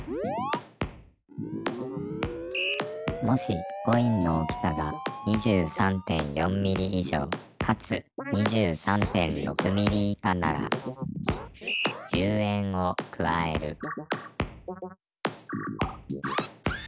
「もしコインの大きさが２３．４ｍｍ以上かつ２３．６ｍｍ以下なら１０円を加える」